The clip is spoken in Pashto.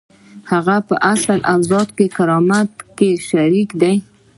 هغه په اصلي او ذاتي کرامت کې شریک دی.